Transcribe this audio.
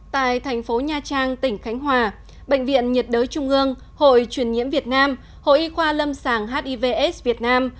tại thành phố nha trang tỉnh khánh hòa bệnh viện nhiệt đới trung ương hội truyền nhiễm việt nam hội y khoa lâm sàng hivs việt nam